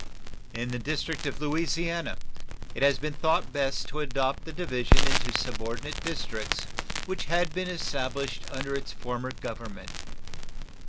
In the district of Louisiana it has been thought best to adopt the division into subordinate districts which had been established under its former government.